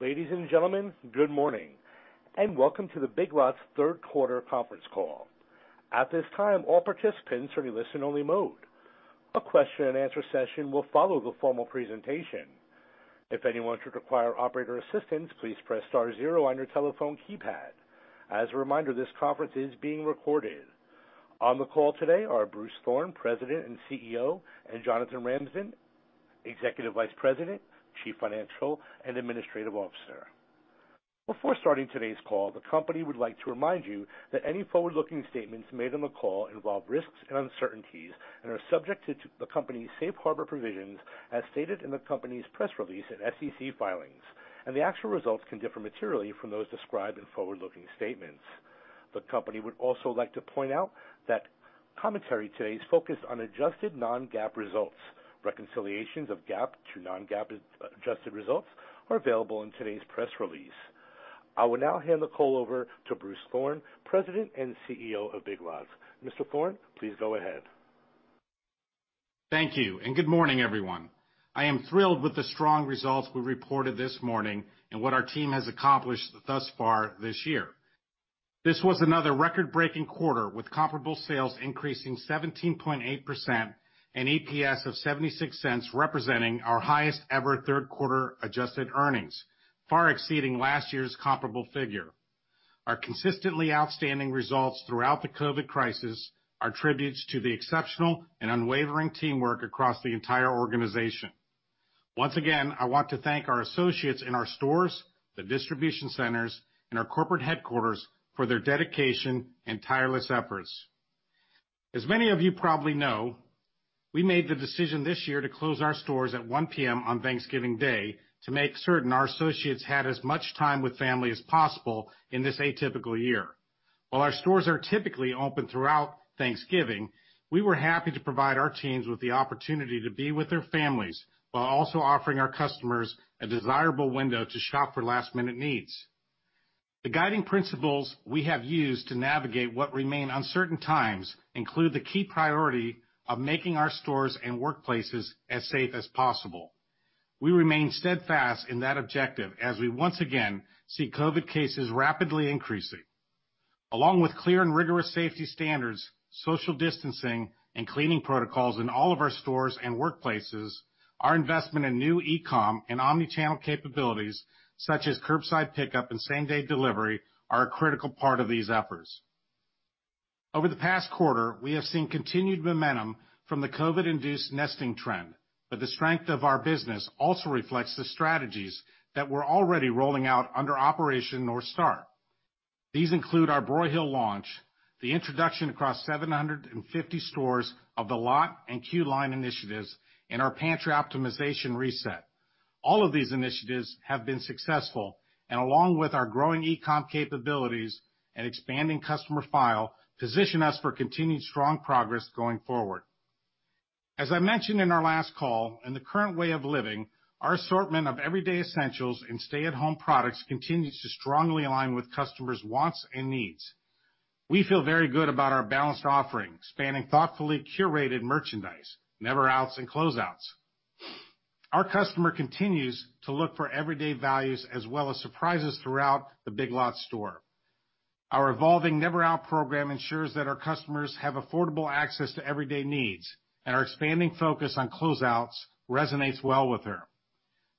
Ladies and gentlemen, good morning, and welcome to the Big Lots third quarter conference call. At this time all participants are in listen-only mode. After presentation, a question-and answer-session will follow. If anyone will require Operator's assistance, press star zero on your telephone keypad. As a reminder, this call is being recorded. On the call today are Bruce Thorn, President and Chief Executive Officer, and Jonathan Ramsden, Executive Vice President, Chief Financial and Administrative Officer. Before starting today's call, the company would like to remind you that any forward-looking statements made on the call involve risks and uncertainties and are subject to the company's safe harbor provisions, as stated in the company's press release and SEC filings, and the actual results can differ materially from those described in forward-looking statements. The company would also like to point out that commentary today is focused on adjusted non-GAAP results. Reconciliations of GAAP to non-GAAP adjusted results are available in today's press release. I will now hand the call over to Bruce Thorn, President and Chief Executive Officer of Big Lots. Mr. Thorn, please go ahead. Thank you, and good morning everyone? I am thrilled with the strong results we reported this morning and what our team has accomplished thus far this year. This was another record-breaking quarter, with comparable sales increasing 17.8% and EPS of $0.76, representing our highest ever third quarter adjusted earnings, far exceeding last year's comparable figure. Our consistently outstanding results throughout the COVID crisis are tributes to the exceptional and unwavering teamwork across the entire organization. Once again, I want to thank our associates in our stores, the distribution centers, and our corporate headquarters for their dedication and tireless efforts. As many of you probably know, we made the decision this year to close our stores at 1:00 P.M. on Thanksgiving Day to make certain our associates had as much time with family as possible in this atypical year. While our stores are typically open throughout Thanksgiving, we were happy to provide our teams with the opportunity to be with their families while also offering our customers a desirable window to shop for last-minute needs. The guiding principles we have used to navigate what remain uncertain times include the key priority of making our stores and workplaces as safe as possible. We remain steadfast in that objective as we once again see COVID cases rapidly increasing. Along with clear and rigorous safety standards, social distancing, and cleaning protocols in all of our stores and workplaces, our investment in new e-com and omnichannel capabilities, such as curbside pickup and same-day delivery, are a critical part of these efforts. Over the past quarter, we have seen continued momentum from the COVID-induced nesting trend. The strength of our business also reflects the strategies that were already rolling out under Operation North Star. These include our Broyhill launch, the introduction across 750 stores of The Lot and Queue Line initiatives, and our pantry optimization reset. All of these initiatives have been successful. Along with our growing e-com capabilities and expanding customer file, position us for continued strong progress going forward. As I mentioned in our last call, in the current way of living, our assortment of everyday essentials and stay-at-home products continues to strongly align with customers' wants and needs. We feel very good about our balanced offering, spanning thoughtfully curated merchandise, Never Outs and Closeouts. Our customer continues to look for everyday values as well as surprises throughout the Big Lots store. Our evolving Never Out program ensures that our customers have affordable access to everyday needs, and our expanding focus on closeouts resonates well with her.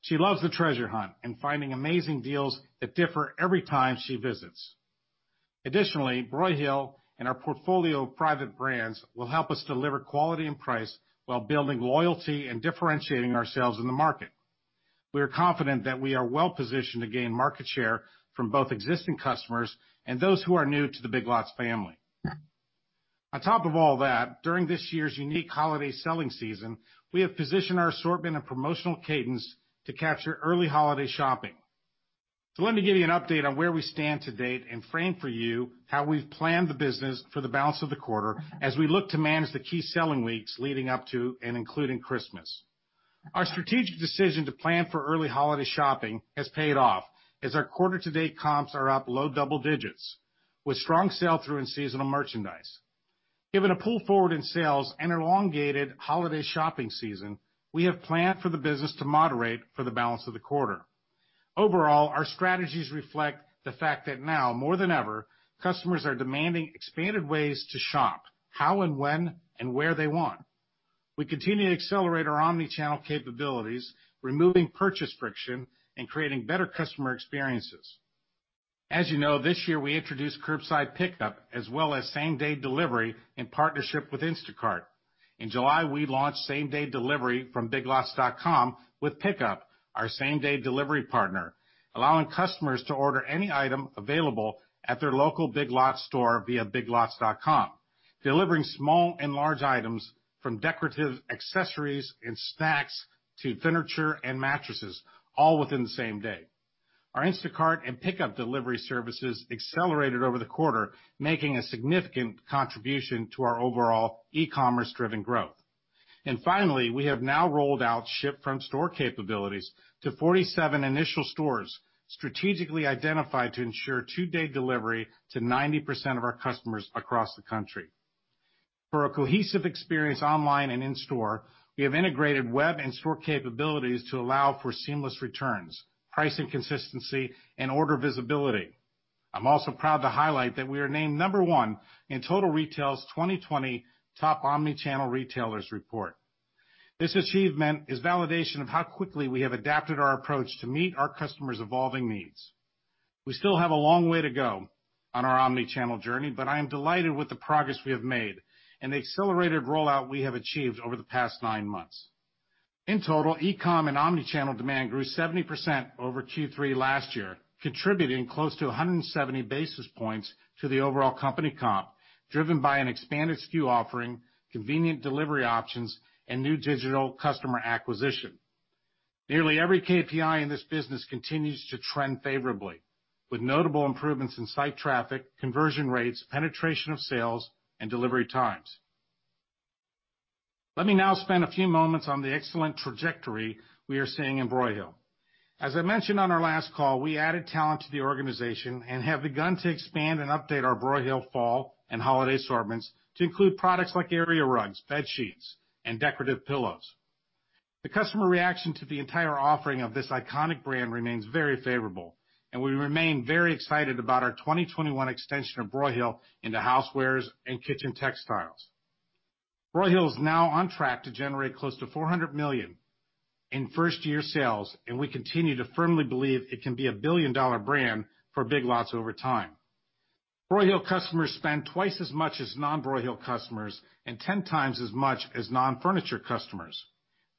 She loves the treasure hunt and finding amazing deals that differ every time she visits. Additionally, Broyhill and our portfolio of private brands will help us deliver quality and price while building loyalty and differentiating ourselves in the market. We are confident that we are well-positioned to gain market share from both existing customers and those who are new to the Big Lots family. On top of all that, during this year's unique holiday selling season, we have positioned our assortment and promotional cadence to capture early holiday shopping. Let me give you an update on where we stand to date and frame for you how we've planned the business for the balance of the quarter as we look to manage the key selling weeks leading up to and including Christmas. Our strategic decision to plan for early holiday shopping has paid off, as our quarter-to-date comps are up low double digits, with strong sell-through in seasonal merchandise. Given a pull-forward in sales and elongated holiday shopping season, we have planned for the business to moderate for the balance of the quarter. Our strategies reflect the fact that now, more than ever, customers are demanding expanded ways to shop, how and when, and where they want. We continue to accelerate our omnichannel capabilities, removing purchase friction and creating better customer experiences. As you know, this year, we introduced curbside pickup as well as same-day delivery in partnership with Instacart. In July, we launched same-day delivery from biglots.com with PICKUP, our same-day delivery partner, allowing customers to order any item available at their local Big Lots store via biglots.com, delivering small and large items from decorative accessories and snacks to furniture and mattresses, all within the same day. Our Instacart and PICKUP delivery services accelerated over the quarter, making a significant contribution to our overall e-commerce driven growth. Finally, we have now rolled out ship-from-store capabilities to 47 initial stores, strategically identified to ensure two-day delivery to 90% of our customers across the country. For a cohesive experience online and in-store, we have integrated web and store capabilities to allow for seamless returns, pricing consistency, and order visibility. I'm also proud to highlight that we are named number one in Total Retail's 2020 Top Omnichannel Retailers report. This achievement is validation of how quickly we have adapted our approach to meet our customers' evolving needs. We still have a long way to go on our omnichannel journey, but I am delighted with the progress we have made and the accelerated rollout we have achieved over the past nine months. In total, e-com and omnichannel demand grew 70% over Q3 last year, contributing close to 170 basis points to the overall company comp, driven by an expanded SKU offering, convenient delivery options, and new digital customer acquisition. Nearly every KPI in this business continues to trend favorably, with notable improvements in site traffic, conversion rates, penetration of sales, and delivery times. Let me now spend a few moments on the excellent trajectory we are seeing in Broyhill. As I mentioned on our last call, we added talent to the organization and have begun to expand and update our Broyhill fall and holiday assortments to include products like area rugs, bedsheets, and decorative pillows. The customer reaction to the entire offering of this iconic brand remains very favorable, and we remain very excited about our 2021 extension of Broyhill into housewares and kitchen textiles. Broyhill is now on track to generate close to $400 million in first-year sales, and we continue to firmly believe it can be a billion-dollar brand for Big Lots over time. Broyhill customers spend twice as much as non-Broyhill customers and 10x as much as non-furniture customers.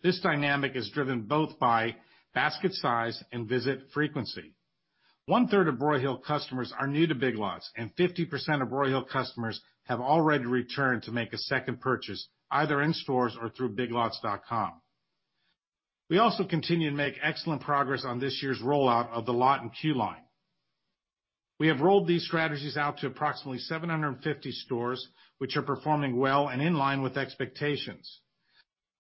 This dynamic is driven both by basket size and visit frequency. One-third of Broyhill customers are new to Big Lots, and 50% of Broyhill customers have already returned to make a second purchase, either in stores or through biglots.com. We also continue to make excellent progress on this year's rollout of The Lot and Queue line. We have rolled these strategies out to approximately 750 stores, which are performing well and in line with expectations.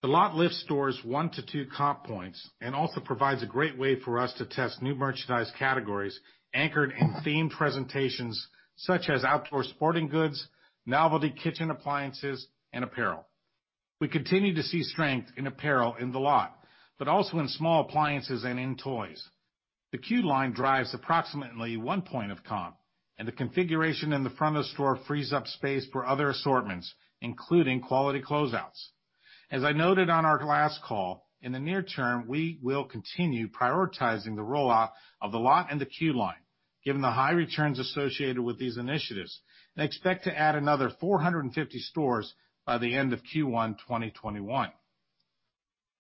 The Lot lifts stores one to two comp points and also provides a great way for us to test new merchandise categories anchored in themed presentations such as outdoor sporting goods, novelty kitchen appliances, and apparel. We continue to see strength in apparel in The Lot, but also in small appliances and in toys. The Queue line drives approximately one point of comp, and the configuration in the front of the store frees up space for other assortments, including quality closeouts. As I noted on our last call, in the near term, we will continue prioritizing the rollout of The Lot and the Queue Line, given the high returns associated with these initiatives, and expect to add another 450 stores by the end of Q1 2021.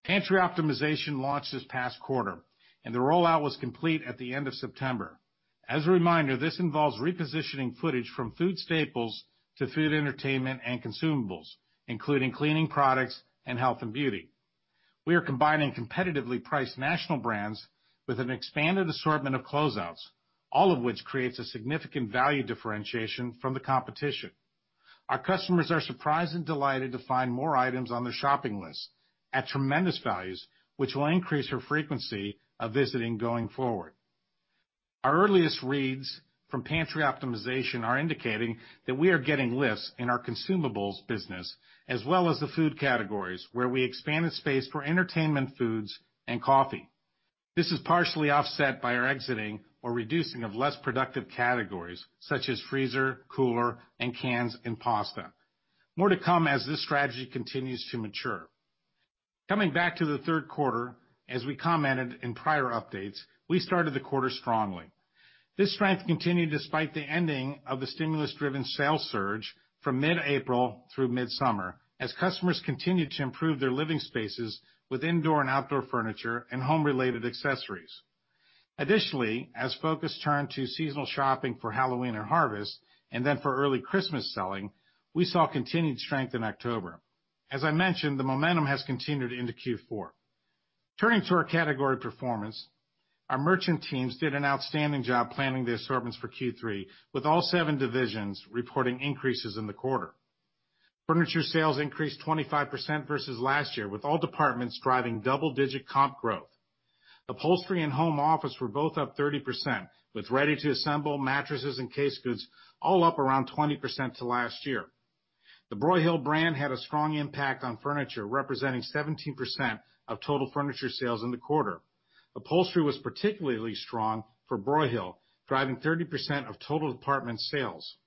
Pantry optimization launched this past quarter, and the rollout was complete at the end of September. As a reminder, this involves repositioning footage from food staples to food entertainment and consumables, including cleaning products and health and beauty. We are combining competitively priced national brands with an expanded assortment of closeouts, all of which creates a significant value differentiation from the competition. Our customers are surprised and delighted to find more items on their shopping list at tremendous values, which will increase their frequency of visiting going forward. Our earliest reads from pantry optimization are indicating that we are getting lifts in our consumables business as well as the food categories, where we expanded space for entertainment foods and coffee. This is partially offset by our exiting or reducing of less productive categories such as freezer, cooler, and cans and pasta. More to come as this strategy continues to mature. Coming back to the third quarter, as we commented in prior updates, we started the quarter strongly. This strength continued despite the ending of the stimulus driven sales surge from mid-April through mid-summer as customers continued to improve their living spaces with indoor and outdoor furniture and home related accessories. As focus turned to seasonal shopping for Halloween and Harvest, and then for early Christmas selling, we saw continued strength in October. As I mentioned, the momentum has continued into Q4. Turning to our category performance, our merchant teams did an outstanding job planning the assortments for Q3, with all seven divisions reporting increases in the quarter. Furniture sales increased 25% versus last year, with all departments driving double-digit comp growth. Upholstery and home office were both up 30%, with ready-to-assemble, mattresses and casegoods all up around 20% to last year. The Broyhill brand had a strong impact on furniture, representing 17% of total furniture sales in the quarter. Upholstery was particularly strong for Broyhill, driving 30% of total department sales.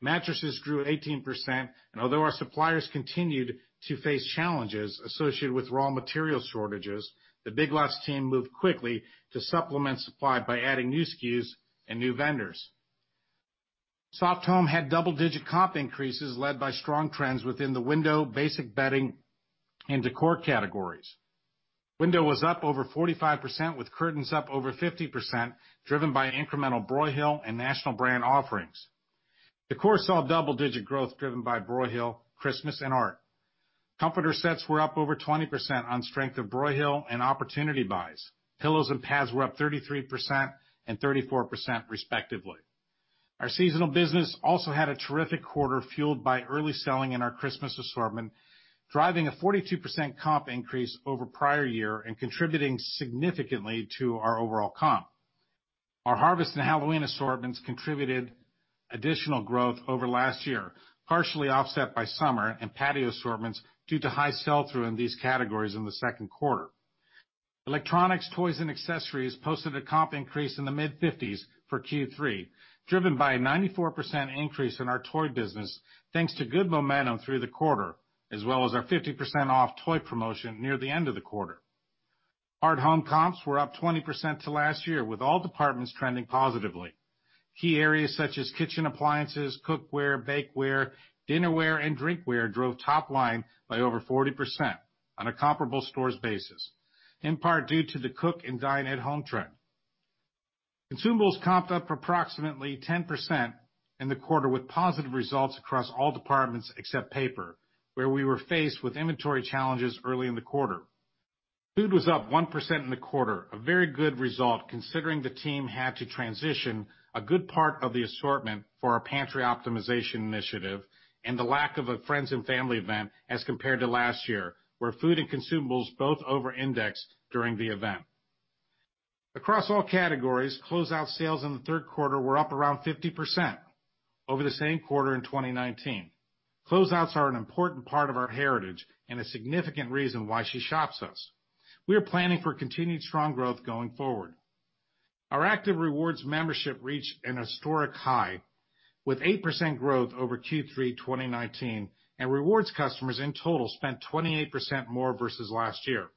Mattresses grew 18%, and although our suppliers continued to face challenges associated with raw material shortages, the Big Lots team moved quickly to supplement supply by adding new SKUs and new vendors. Soft home had double-digit comp increases led by strong trends within the window, basic bedding, and decor categories. Window was up over 45%, with curtains up over 50%, driven by incremental Broyhill and national brand offerings. Decor saw double-digit growth driven by Broyhill, Christmas, and art. Comforter sets were up over 20% on strength of Broyhill and opportunity buys. Pillows and pads were up 33% and 34% respectively. Our seasonal business also had a terrific quarter, fueled by early selling in our Christmas assortment, driving a 42% comp increase over prior year and contributing significantly to our overall comp. Our Harvest and Halloween assortments contributed additional growth over last year, partially offset by summer and patio assortments due to high sell-through in these categories in the second quarter. Electronics, toys, and accessories posted a comp increase in the mid-50s% for Q3, driven by a 94% increase in our toy business, thanks to good momentum through the quarter, as well as our 50% off toy promotion near the end of the quarter. Hard home comps were up 20% to last year, with all departments trending positively. Key areas such as kitchen appliances, cookware, bakeware, dinnerware, and drinkware drove top line by over 40% on a comparable stores basis, in part due to the cook and dine at home trend. Consumables comped up approximately 10% in the quarter, with positive results across all departments except paper, where we were faced with inventory challenges early in the quarter. Food was up 1% in the quarter, a very good result considering the team had to transition a good part of the assortment for our pantry optimization initiative and the lack of a friends and family event as compared to last year, where food and consumables both over-indexed during the event. Across all categories, closeout sales in the third quarter were up around 50% over the same quarter in 2019. Closeouts are an important part of our heritage and a significant reason why she shops us. Our active rewards membership reached an historic high with 8% growth over Q3 2019, and rewards customers in total spent 28% more versus last year.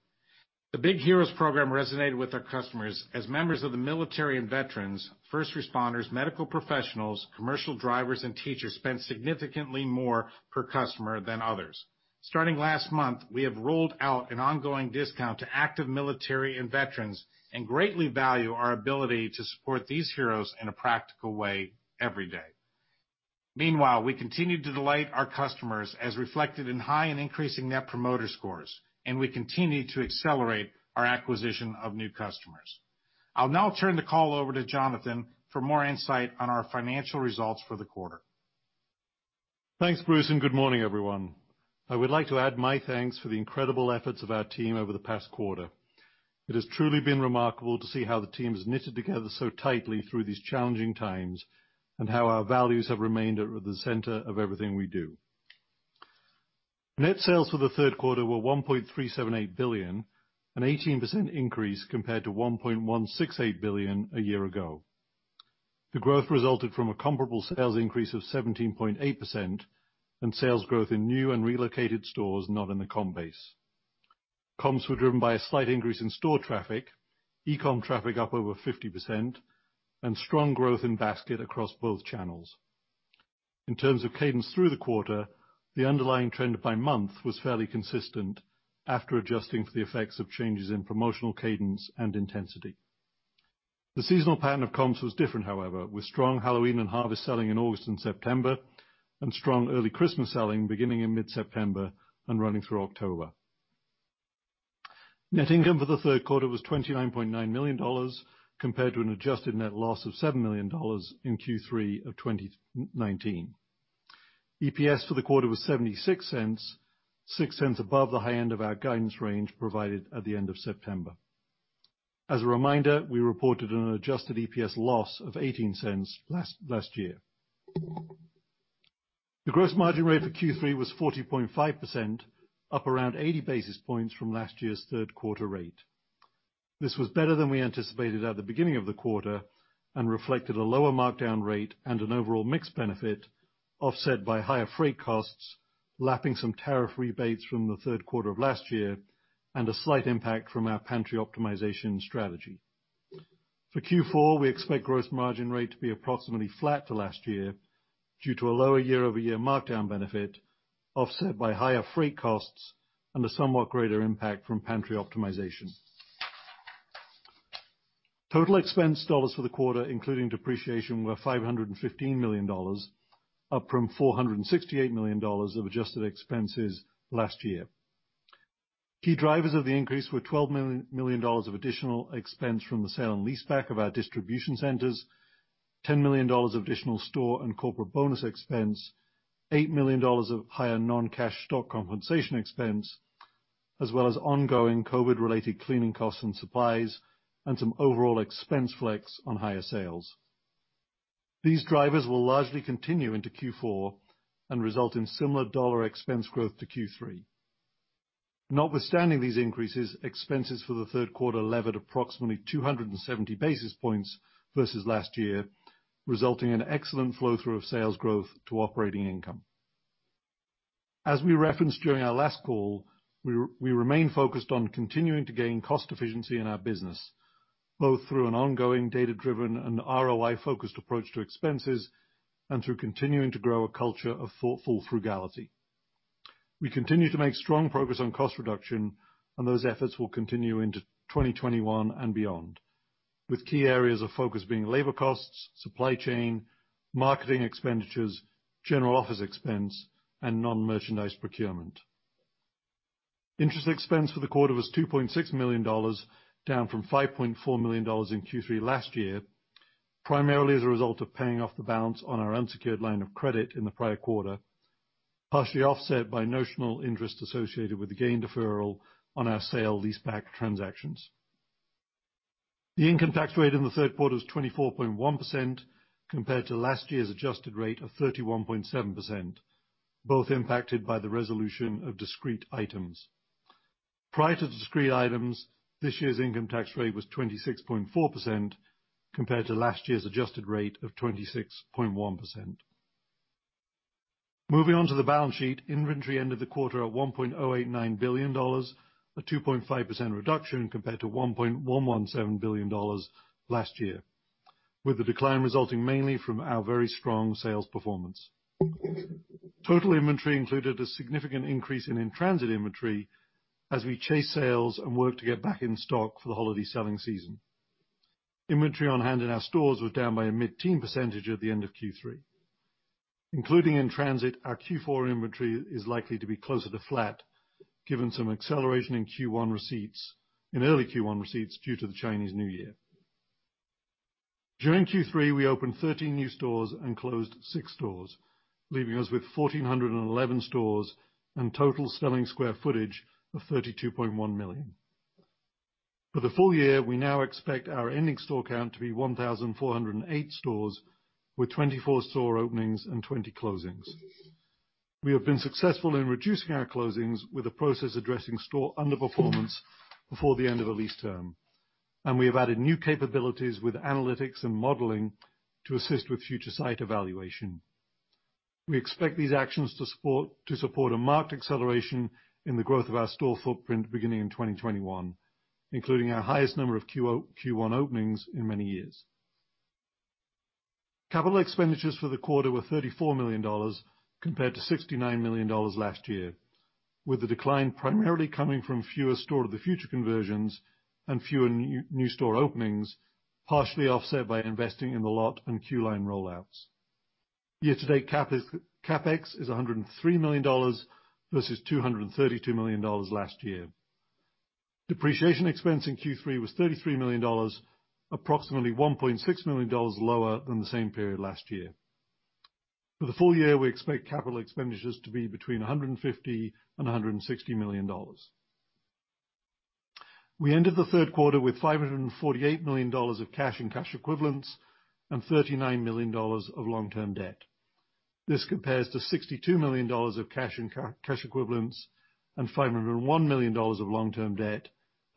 The Big Heroes program resonated with our customers as members of the military and veterans, first responders, medical professionals, commercial drivers, and teachers spent significantly more per customer than others. Starting last month, we have rolled out an ongoing discount to active military and veterans and greatly value our ability to support these heroes in a practical way every day. Meanwhile, we continue to delight our customers as reflected in high and increasing Net Promoter Scores, and we continue to accelerate our acquisition of new customers. I'll now turn the call over to Jonathan for more insight on our financial results for the quarter. Thanks, Bruce. Good morning everyone? I would like to add my thanks for the incredible efforts of our team over the past quarter. It has truly been remarkable to see how the team has knitted together so tightly through these challenging times, and how our values have remained at the center of everything we do. Net sales for the third quarter were $1.378 billion, an 18% increase compared to $1.168 billion a year ago. The growth resulted from a comparable sales increase of 17.8% and sales growth in new and relocated stores not in the comp base. Comps were driven by a slight increase in store traffic, e-com traffic up over 50%, and strong growth in basket across both channels. In terms of cadence through the quarter, the underlying trend by month was fairly consistent after adjusting for the effects of changes in promotional cadence and intensity. The seasonal pattern of comps was different, however, with strong Halloween and Harvest selling in August and September, and strong early Christmas selling beginning in mid-September and running through October. Net income for the third quarter was $29.9 million, compared to an adjusted net loss of $7 million in Q3 of 2019. EPS for the quarter was $0.76, $0.06 above the high end of our guidance range provided at the end of September. As a reminder, we reported an adjusted EPS loss of $0.18 last year. The gross margin rate for Q3 was 40.5%, up around 80 basis points from last year's third quarter rate. This was better than we anticipated at the beginning of the quarter and reflected a lower markdown rate and an overall mix benefit offset by higher freight costs, lapping some tariff rebates from the third quarter of last year, and a slight impact from our pantry optimization strategy. For Q4, we expect gross margin rate to be approximately flat to last year due to a lower year-over-year markdown benefit, offset by higher freight costs and a somewhat greater impact from pantry optimization. Total expense dollars for the quarter, including depreciation, were $515 million, up from $468 million of adjusted expenses last year. Key drivers of the increase were $12 million of additional expense from the sale and leaseback of our distribution centers, $10 million of additional store and corporate bonus expense, $8 million of higher non-cash stock compensation expense, as well as ongoing COVID-related cleaning costs and supplies, and some overall expense flex on higher sales. These drivers will largely continue into Q4 and result in similar dollar expense growth to Q3. Notwithstanding these increases, expenses for the third quarter levered approximately 270 basis points versus last year, resulting in excellent flow-through of sales growth to operating income. As we referenced during our last call, we remain focused on continuing to gain cost efficiency in our business, both through an ongoing data-driven and ROI-focused approach to expenses, and through continuing to grow a culture of thoughtful frugality. We continue to make strong progress on cost reduction, those efforts will continue into 2021 and beyond, with key areas of focus being labor costs, supply chain, marketing expenditures, general office expense, and non-merchandise procurement. Interest expense for the quarter was $2.6 million, down from $5.4 million in Q3 last year, primarily as a result of paying off the balance on our unsecured line of credit in the prior quarter. Partially offset by notional interest associated with the gain deferral on our sale leaseback transactions. The income tax rate in the third quarter was 24.1% compared to last year's adjusted rate of 31.7%, both impacted by the resolution of discrete items. Prior to discrete items, this year's income tax rate was 26.4% compared to last year's adjusted rate of 26.1%. Moving on to the balance sheet. Inventory ended the quarter at $1.089 billion, a 2.5% reduction compared to $1.117 billion last year, with the decline resulting mainly from our very strong sales performance. Total inventory included a significant increase in transit inventory as we chase sales and work to get back in stock for the holiday selling season. Inventory on hand in our stores were down by a mid-teen percentage at the end of Q3. Including in transit, our Q4 inventory is likely to be closer to flat, given some acceleration in early Q1 receipts due to the Chinese New Year. During Q3, we opened 13 new stores and closed six stores, leaving us with 1,411 stores and total selling square footage of 32.1 million. For the full year, we now expect our ending store count to be 1,408 stores with 24 store openings and 20 closings. We have been successful in reducing our closings with a process addressing store underperformance before the end of a lease term. We have added new capabilities with analytics and modeling to assist with future site evaluation. We expect these actions to support a marked acceleration in the growth of our store footprint beginning in 2021, including our highest number of Q1 openings in many years. Capital expenditures for the quarter were $34 million compared to $69 million last year, with the decline primarily coming from fewer Store of the Future conversions and fewer new store openings, partially offset by investing in The Lot and Queue Line rollouts. Year-to-date, CapEx is $103 million versus $232 million last year. Depreciation expense in Q3 was $33 million, approximately $1.6 million lower than the same period last year. For the full year, we expect capital expenditures to be between $150 million and $160 million. We ended the third quarter with $548 million of cash and cash equivalents and $39 million of long-term debt. This compares to $62 million of cash and cash equivalents and $501 million of long-term debt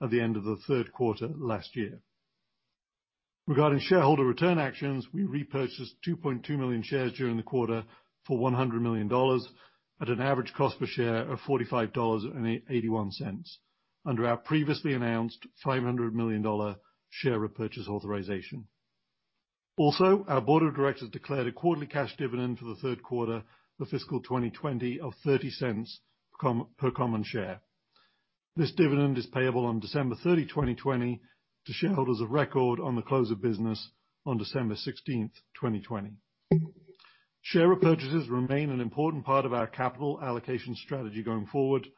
at the end of the third quarter last year. Regarding shareholder return actions, we repurchased 2.2 million shares during the quarter for $100 million at an average cost per share of $45.81 under our previously announced $500 million share repurchase authorization. Also, our Board of Directors declared a quarterly cash dividend for the third quarter of fiscal 2020 of $0.30 per common share. This dividend is payable on December 30, 2020, to shareholders of record on the close of business on December 16, 2020. Share repurchases remain an important part of our capital allocation strategy going forward,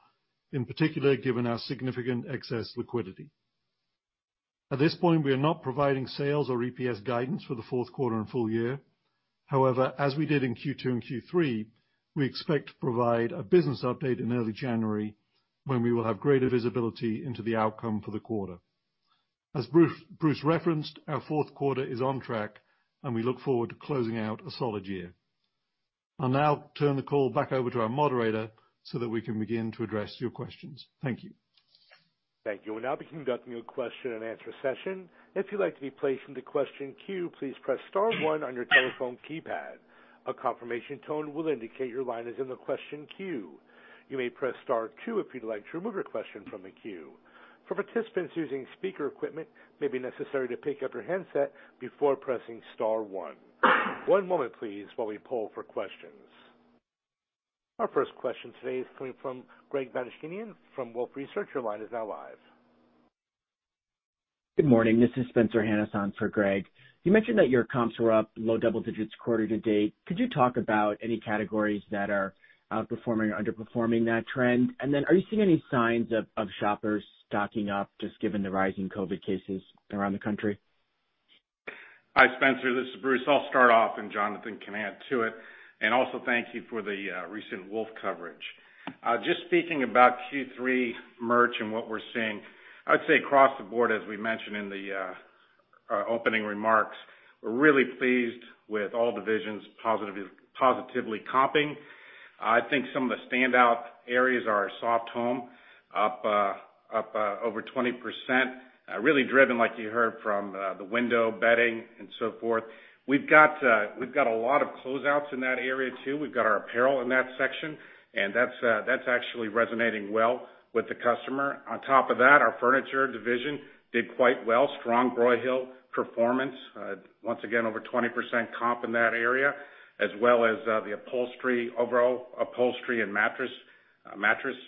in particular, given our significant excess liquidity. At this point, we are not providing sales or EPS guidance for the fourth quarter and full year. However, as we did in Q2 and Q3, we expect to provide a business update in early January when we will have greater visibility into the outcome for the quarter. As Bruce referenced, our fourth quarter is on track, and we look forward to closing out a solid year. I'll now turn the call back over to our moderator so that we can begin to address your questions. Thank you. Thank you. Now we will be conducting a question-and-answer session. If you'd like to be placed in the question queue, please press star one on your telephone keypad. A confirmation tone will indicate your line is in the question queue. You may press star two if you would like to remove your question from the queue. For participants using speaker equipment, it may be necessary to pick up your handset before pressing the star one. One moment please as we assemble the question queue. Our first question today is coming from Greg Melich from Wolfe Research, your line is now live. Good morning? This is Spencer Hanus for Greg. You mentioned that your comps were up low double digits quarter to date. Could you talk about any categories that are outperforming or underperforming that trend? Are you seeing any signs of shoppers stocking up just given the rising COVID cases around the country? Hi, Spencer, this is Bruce. I'll start off and Jonathan can add to it. Also thank you for the recent Wolfe coverage. Just speaking about Q3 merch and what we're seeing, I'd say across the board, as we mentioned in the opening remarks, we're really pleased with all divisions positively comping. I think some of the standout areas are our soft home, up over 20%, really driven like you heard from the window bedding and so forth. We've got a lot of closeouts in that area too. We've got our apparel in that section, and that's actually resonating well with the customer. On top of that, our furniture division did quite well. Strong Broyhill performance. Once again, over 20% comp in that area, as well as the overall upholstery and mattress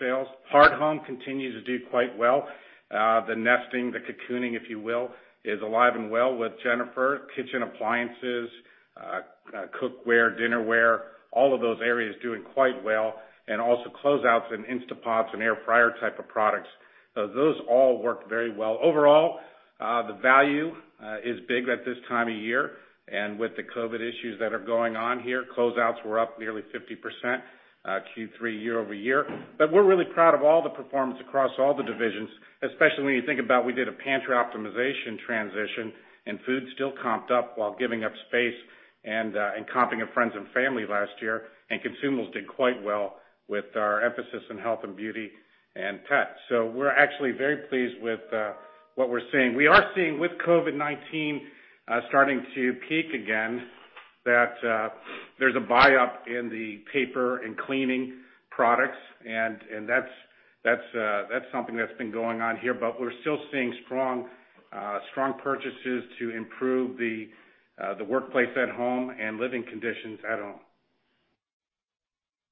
sales. Hard home continues to do quite well. The nesting, the cocooning, if you will, is alive and well with Jennifer. Kitchen appliances, cookware, dinnerware, all of those areas doing quite well, and also closeouts and Instant Pots and air fryer type of products. Those all work very well. Overall the value is big at this time of year. With the COVID issues that are going on here, closeouts were up nearly 50% Q3 year-over-year. We're really proud of all the performance across all the divisions, especially when you think about we did a pantry optimization transition, and food still comped up while giving up space and comping of friends and family last year. Consumables did quite well with our emphasis on health and beauty and tech. We're actually very pleased with what we're seeing. We are seeing with COVID-19 starting to peak again, that there's a buyup in the paper and cleaning products, and that's something that's been going on here. We're still seeing strong purchases to improve the workplace at home and living conditions at home.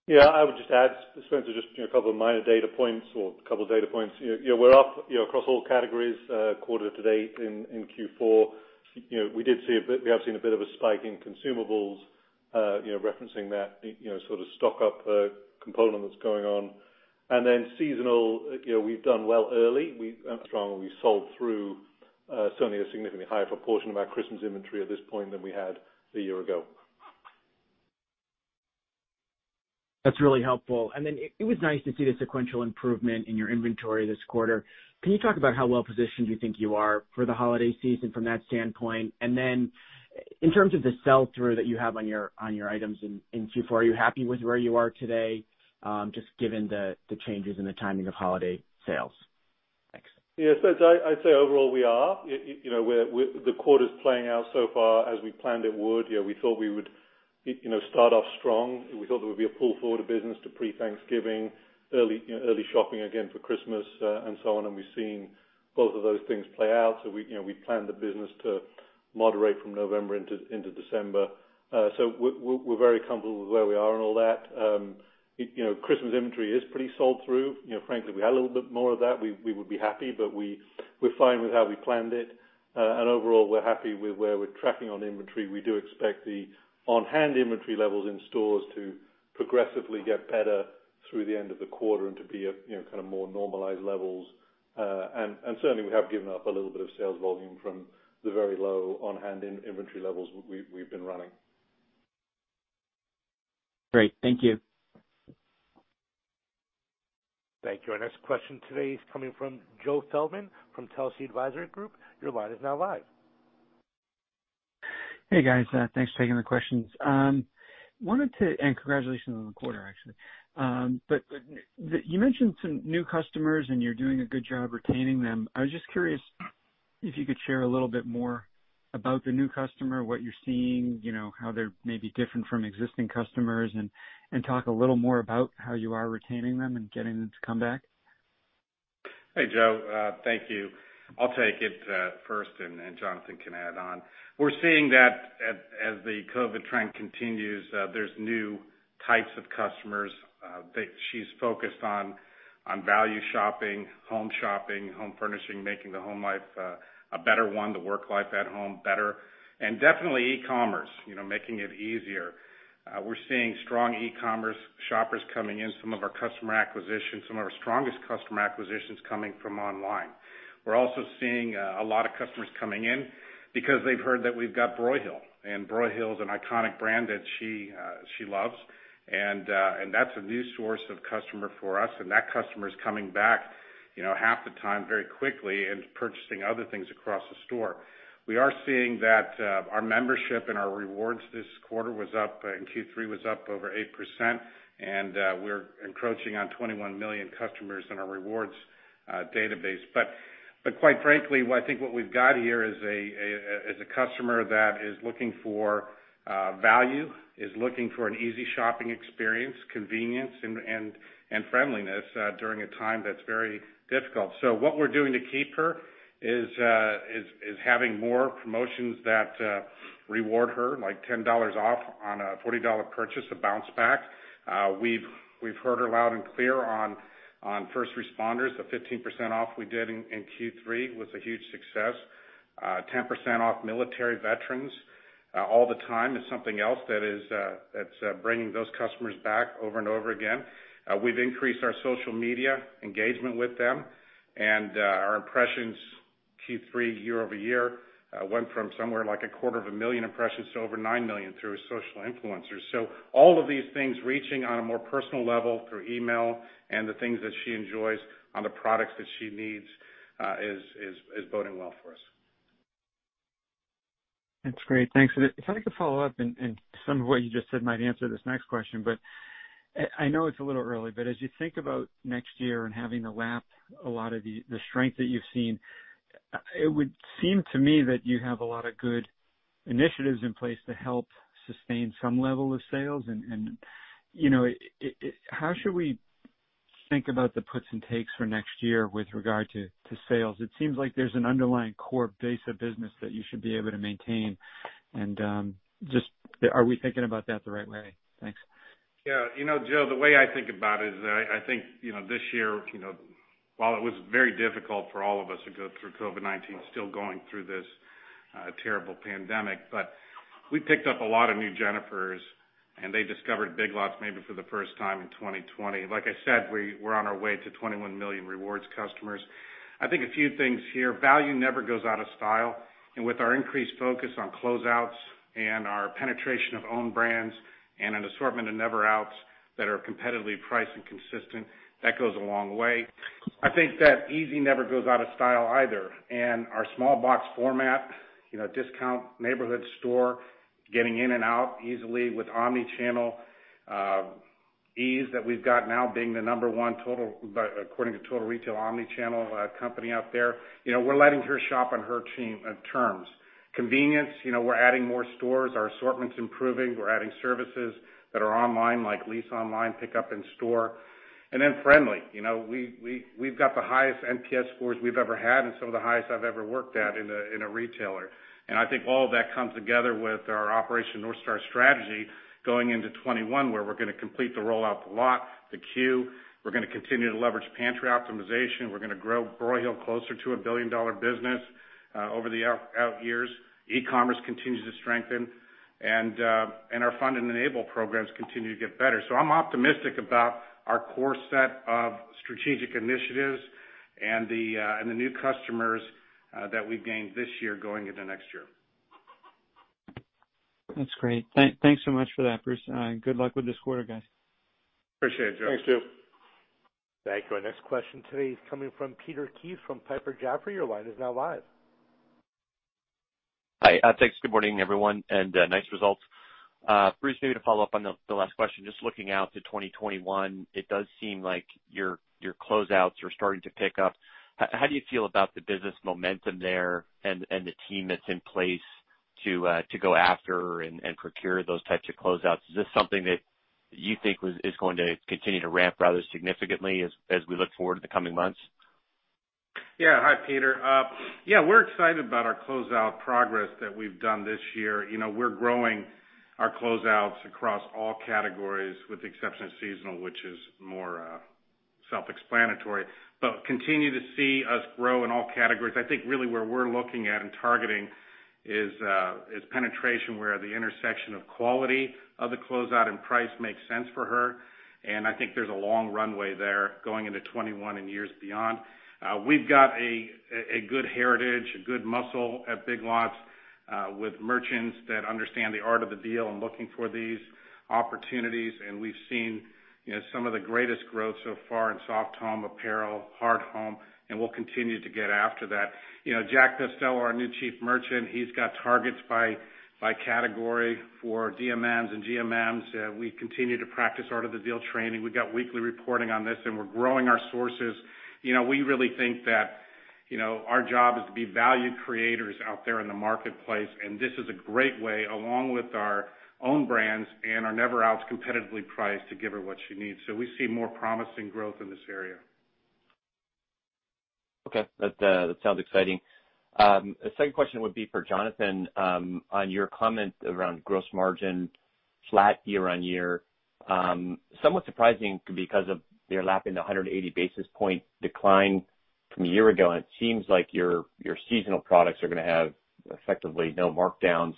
Yeah, I would just add, Spencer, just a couple of minor data points or a couple of data points. We're up across all categories quarter to date in Q4. We have seen a bit of a spike in consumables, referencing that sort of stock-up component that's going on. Seasonal, we've done well early. We've done strong and we sold through certainly a significantly higher proportion of our Christmas inventory at this point than we had a year ago. That's really helpful. It was nice to see the sequential improvement in your inventory this quarter. Can you talk about how well-positioned you think you are for the holiday season from that standpoint? And then in terms of the sell-through that you have on your items in Q4, are you happy with where you are today, just given the changes in the timing of holiday sales? Thanks. Yeah, Spencer, I'd say overall we are. The quarter's playing out so far as we planned it would. We thought we would start off strong. We thought there would be a pull forward of business to pre-Thanksgiving, early shopping again for Christmas and so on. We're seeing both of those things play out. We planned the business to moderate from November into December. We're very comfortable with where we are and all that. Christmas inventory is pretty sold through. Frankly, if we had a little bit more of that, we would be happy, but we're fine with how we planned it. Overall, we're happy with where we're tracking on inventory. We do expect the on-hand inventory levels in stores to progressively get better through the end of the quarter and to be at kind of more normalized levels. Certainly, we have given up a little bit of sales volume from the very low on-hand inventory levels we've been running. Great. Thank you. Thank you. Our next question today is coming from Joe Feldman from Telsey Advisory Group. Hey, guys? Thanks for taking the questions. Congratulations on the quarter, actually. You mentioned some new customers, and you're doing a good job retaining them. I was just curious if you could share a little bit more about the new customer, what you're seeing, how they're maybe different from existing customers, and talk a little more about how you are retaining them and getting them to come back. Hey, Joe. Thank you. I'll take it first, and Jonathan can add on. We're seeing that as the COVID trend continues, there's new types of customers. She's focused on value shopping, home shopping, home furnishing, making the home life a better one, the work life at home better, and definitely e-commerce, making it easier. We're seeing strong e-commerce shoppers coming in, some of our customer acquisition, some of our strongest customer acquisitions coming from online. We're also seeing a lot of customers coming in because they've heard that we've got Broyhill, and Broyhill is an iconic brand that she loves. That's a new source of customer for us, and that customer is coming back half the time very quickly and purchasing other things across the store. We are seeing that our membership and our rewards this quarter in Q3 was up over 8%, and we're encroaching on 21 million customers in our rewards database. Quite frankly, I think what we've got here is a customer that is looking for value, is looking for an easy shopping experience, convenience, and friendliness during a time that's very difficult. What we're doing to keep her is having more promotions that reward her, like $10 off on a $40 purchase, a bounce back. We've heard her loud and clear on first responders, the 15% off we did in Q3 was a huge success. 10% off military veterans all the time is something else that's bringing those customers back over and over again. We've increased our social media engagement with them, and our impressions Q3 year-over-year went from somewhere like a quarter of a million impressions to over 9 million through social influencers. All of these things reaching on a more personal level through email and the things that she enjoys on the products that she needs is boding well for us. That's great. Thanks. If I could follow up, and some of what you just said might answer this next question, but I know it's a little early, but as you think about next year and having to lap a lot of the strength that you've seen, it would seem to me that you have a lot of good initiatives in place to help sustain some level of sales. How should we think about the puts and takes for next year with regard to sales? It seems like there's an underlying core base of business that you should be able to maintain. Are we thinking about that the right way? Thanks. Yeah. Joe, the way I think about it is I think this year, while it was very difficult for all of us to go through COVID-19, still going through this terrible pandemic, we picked up a lot of new Jennifers and they discovered Big Lots maybe for the first time in 2020. Like I said, we're on our way to 21 million rewards customers. I think a few things here, value never goes out of style. With our increased focus on closeouts and our penetration of own brands and an assortment of Never Outs that are competitively priced and consistent, that goes a long way. I think that easy never goes out of style either. Our small box format, discount neighborhood store, getting in and out easily with omni-channel ease that we've got now being the number 1 according to Total Retail omni-channel company out there. We're letting her shop on her terms. Convenience, we're adding more stores. Our assortment's improving. We're adding services that are online, like lease online, pickup in store. Then friendly. We've got the highest NPS scores we've ever had and some of the highest I've ever worked at in a retailer. I think all of that comes together with our Operation North Star strategy going into 2021, where we're going to complete the rollout to The Lot, the Queue Line. We're going to continue to leverage pantry optimization. We're going to grow Broyhill closer to a $1 billion business over the out years. E-commerce continues to strengthen. Our Fund and Enable programs continue to get better. I'm optimistic about our core set of strategic initiatives and the new customers that we've gained this year going into next year. That's great. Thanks so much for that, Bruce. Good luck with this quarter, guys. Appreciate it, Joe. Thanks, Joe. Thank you. Our next question today is coming from Peter Keith from Piper Jaffray, your line is now live. Hi. Thanks. Good morning everyone? Nice results. Bruce, maybe to follow up on the last question, just looking out to 2021, it does seem like your closeouts are starting to pick up. How do you feel about the business momentum there and the team that's in place to go after and procure those types of closeouts? Is this something that you think is going to continue to ramp rather significantly as we look forward to the coming months? Yeah. Hi, Peter. Yeah, we're excited about our closeout progress that we've done this year. We're growing our closeouts across all categories with the exception of seasonal, which is more self-explanatory. Continue to see us grow in all categories. I think really where we're looking at and targeting is penetration where the intersection of quality of the closeout and price makes sense for her. I think there's a long runway there going into 2021 and years beyond. We've got a good heritage, good muscle at Big Lots, with merchants that understand the Art of the Deal and looking for these opportunities. We've seen some of the greatest growth so far in soft home apparel, hard home, and we'll continue to get after that. Jack Pestello, our new Chief Merchant, he's got targets by category for DMMs and GMMs. We continue to practice Art of the Deal training. We've got weekly reporting on this, and we're growing our sources. We really think that our job is to be value creators out there in the marketplace, and this is a great way, along with our own brands and our Never Outs competitively priced to give her what she needs. We see more promising growth in this area. Okay. That sounds exciting. The second question would be for Jonathan, on your comment around gross margin flat year-on-year. Somewhat surprising because of your lapping the 180 basis point decline from a year ago, and it seems like your seasonal products are going to have effectively no markdowns.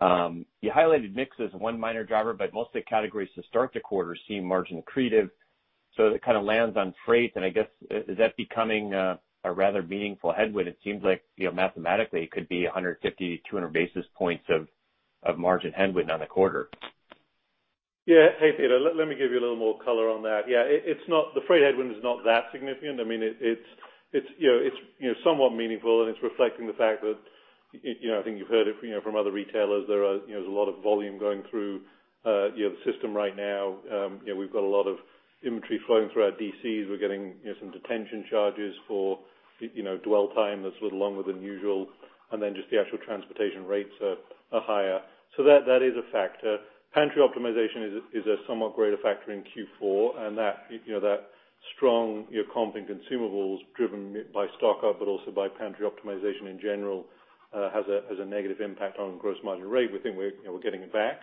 You highlighted mix as one minor driver, but most of the categories to start the quarter seem margin accretive, so it kind of lands on freight, and I guess, is that becoming a rather meaningful headwind? It seems like, mathematically, it could be 150 basis points to 200 basis points of margin headwind on the quarter. Hey, Peter, let me give you a little more color on that. The freight headwind is not that significant. It's somewhat meaningful, and it's reflecting the fact that, I mean, you've heard it from other retailers, there is a lot of volume going through the system right now. We've got a lot of inventory flowing through our DCs. We're getting some detention charges for dwell time that's a little longer than usual, and then just the actual transportation rates are higher. That is a factor. Pantry optimization is a somewhat greater factor in Q4, and that strong comp in consumables driven by stock up, but also by pantry optimization in general, has a negative impact on gross margin rate. We think we're getting it back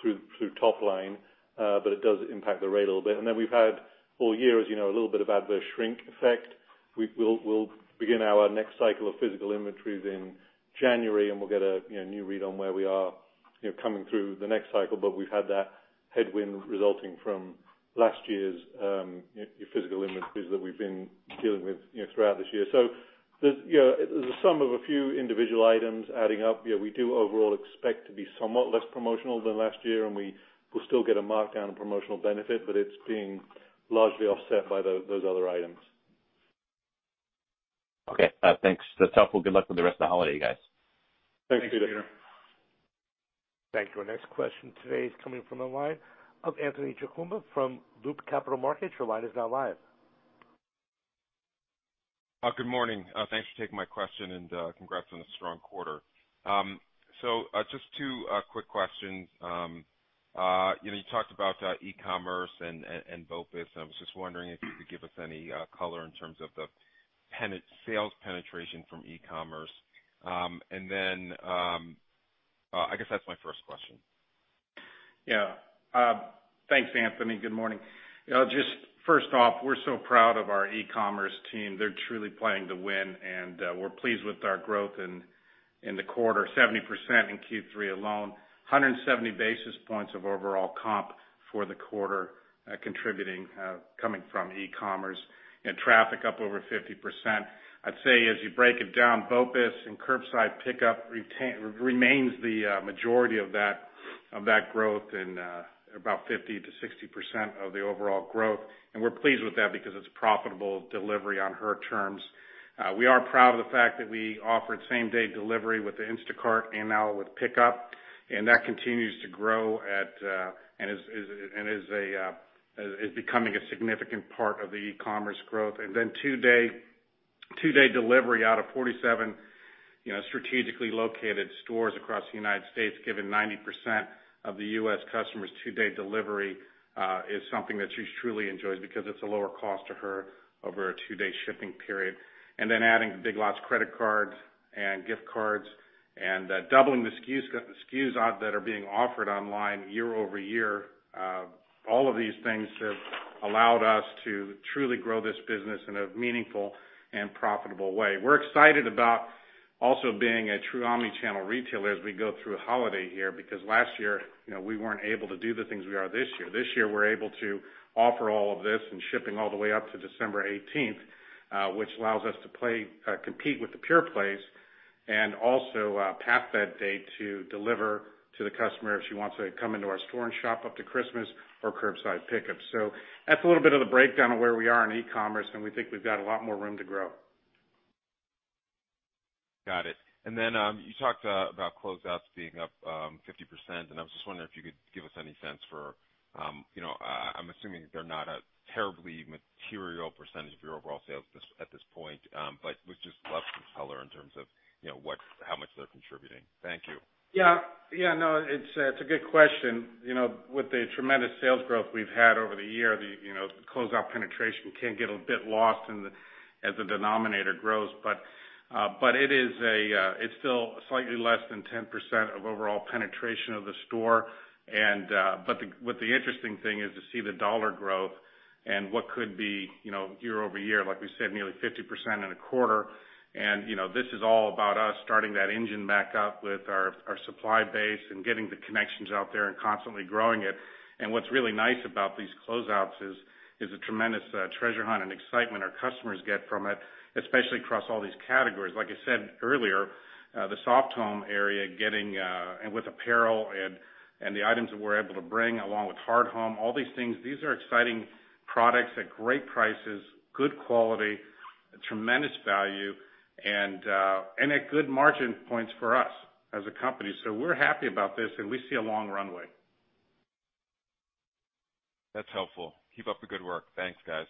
through top line, but it does impact the rate a little bit. We've had all year, as you know, a little bit of adverse shrink effect. We'll begin our next cycle of physical inventories in January, and we'll get a new read on where we are coming through the next cycle. We've had that headwind resulting from last year's physical inventories that we've been dealing with throughout this year. There's a sum of a few individual items adding up. We do overall expect to be somewhat less promotional than last year, and we will still get a markdown and promotional benefit, but it's being largely offset by those other items. Okay. Thanks. That's helpful. Good luck with the rest of the holiday, guys. Thanks, Peter. Thanks, Peter. Thank you. Our next question today is coming from the line of Anthony Chukumba from Loop Capital Markets, your line is now live. Good morning? Thanks for taking my question and congrats on the strong quarter. Just two quick questions. You talked about e-commerce and BOPIS, I was just wondering if you could give us any color in terms of the sales penetration from e-commerce. I guess that's my first question. Thanks, Anthony. Good morning. Just first off, we're so proud of our e-commerce team. They're truly playing to win, and we're pleased with our growth in the quarter, 70% in Q3 alone, 170 basis points of overall comp for the quarter contributing, coming from e-commerce and traffic up over 50%. I'd say, as you break it down, BOPIS and curbside pickup remains the majority of that growth and about 50%-60% of the overall growth. We're pleased with that because it's profitable delivery on her terms. We are proud of the fact that we offered same-day delivery with the Instacart and now with PICKUP, and that continues to grow and is becoming a significant part of the e-commerce growth. Two-day delivery out of 47 strategically located stores across the United States, giving 90% of the U.S. customers two-day delivery, is something that she's truly enjoyed because it's a lower cost to her over a two-day shipping period. Adding the Big Lots credit card and gift cards and doubling the SKUs that are being offered online year-over-year. All of these things have allowed us to truly grow this business in a meaningful and profitable way. We're excited about also being a true omni-channel retailer as we go through holiday here, because last year, we weren't able to do the things we are this year. This year, we're able to offer all of this and shipping all the way up to December 18, which allows us to compete with the pure plays and also past that date to deliver to the customer if she wants to come into our store and shop up to Christmas or curbside pickup. That's a little bit of the breakdown of where we are in e-commerce, and we think we've got a lot more room to grow. Got it. You talked about closeouts being up 50%, I was just wondering if you could give us any sense for. I'm assuming they're not a terribly material percentage of your overall sales at this point, but would just love some color in terms of how much they're contributing. Thank you. No, it's a good question. With the tremendous sales growth we've had over the year, the closeout penetration can get a bit lost as the denominator grows. It's still slightly less than 10% of overall penetration of the store. What the interesting thing is to see the dollar growth and what could be year-over-year, like we said, nearly 50% in a quarter. This is all about us starting that engine back up with our supply base and getting the connections out there and constantly growing it. What's really nice about these closeouts is a tremendous treasure hunt and excitement our customers get from it, especially across all these categories. Like I said earlier, the soft home area, and with apparel and the items that we're able to bring along with hard home, all these things, these are exciting products at great prices, good quality, tremendous value, and at good margin points for us as a company. We're happy about this and we see a long runway. That's helpful. Keep up the good work. Thanks, guys.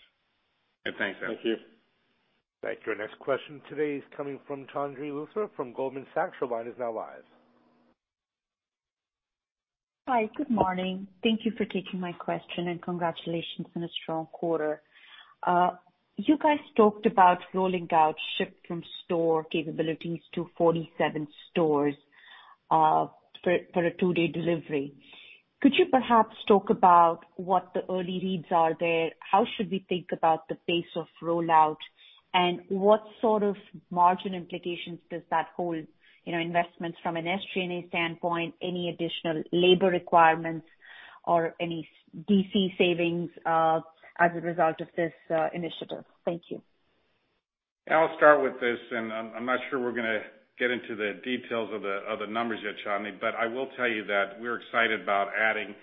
Thanks. Thank you. Thank you. Our next question today is coming from Chandni Luthra from Goldman Sachs, your line is now live. Hi. Good morning? Thank you for taking my question and congratulations on a strong quarter. You guys talked about rolling out ship from store capabilities to 47 stores for a two-day delivery. Could you perhaps talk about what the early reads are there? How should we think about the pace of rollout, and what sort of margin implications does that hold, investments from an SG&A standpoint, any additional labor requirements or any DC savings, as a result of this initiative? Thank you. I'll start with this, and I'm not sure we're gonna get into the details of the numbers yet, Chandni, but I will tell you that we're excited about adding